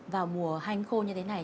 vào mùa hanh khô như thế này